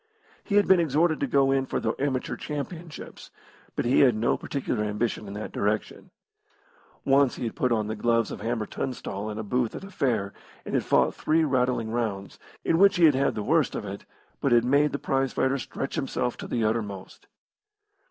He had been exhorted to go in for the Amateur Championships, but he had no particular ambition in that direction. Once he had put on the gloves with Hammer Tunstall in a booth at a fair and had fought three rattling rounds, in which he had the worst of it, but had made the prize fighter stretch himself to the uttermost.